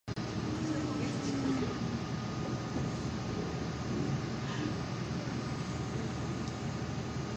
俺はこやまゆうご。Lock のジャンリだ。先週はインフルエンザにかかってしまった、、、